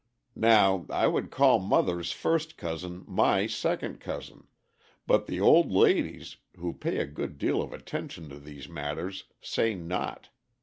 Now I would call mother's first cousin my second cousin, but the old ladies, who pay a good deal of attention to these matters, say not.